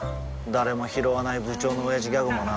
誰もひろわない部長のオヤジギャグもな